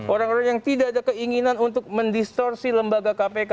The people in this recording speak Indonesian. orang orang yang tidak ada keinginan untuk mendistorsi lembaga kpk